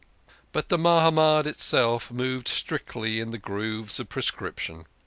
But the Mahamad itself moved strictly in the grooves of prescription.